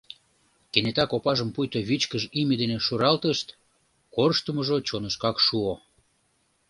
Кенета копажым пуйто вичкыж име дене шуралтышт — корштымыжо чонышкак шуо.